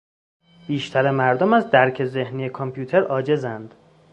بیشتر مردم از درک ذهنی کامپیوتر عاجزند.